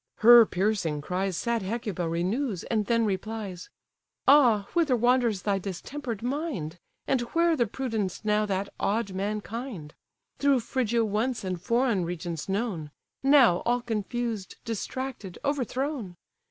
Her piercing cries Sad Hecuba renews, and then replies: "Ah! whither wanders thy distemper'd mind? And where the prudence now that awed mankind? Through Phrygia once and foreign regions known; Now all confused, distracted, overthrown!